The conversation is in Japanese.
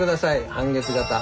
半月型。